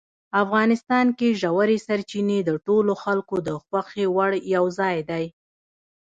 افغانستان کې ژورې سرچینې د ټولو خلکو د خوښې وړ یو ځای دی.